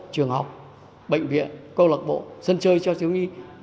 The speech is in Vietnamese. trường học bệnh viện câu lạc bộ dân chơi cho thiếu nghi